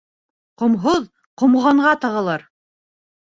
Ҡомһоҙ ҡомғанға тығылыр.